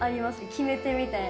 決め手みたいな。